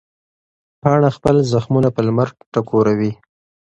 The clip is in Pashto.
پاڼه خپل زخمونه په لمر ټکوروي.